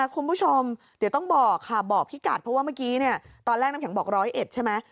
คุณผู้ชมเดี๋ยวต้องบอกค่ะบอกพี่กัดเพราะว่าเมื่อกี้ตอนแรกน้ำแข็งบอกร้อยเอ็ดใช่ไหม